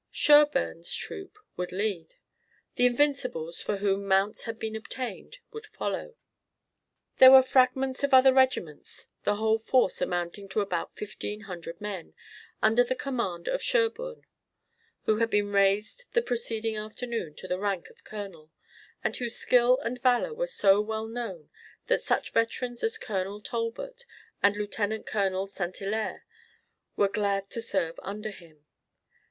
Sherburne's troop would lead. The Invincibles, for whom mounts had been obtained, would follow. There were fragments of other regiments, the whole force amounting to about fifteen hundred men, under the command of Sherburne, who had been raised the preceding afternoon to the rank of Colonel, and whose skill and valor were so well known that such veterans as Colonel Talbot and Lieutenant Colonel St. Hilaire were glad to serve under him.